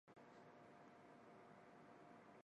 山東省の省都は済南である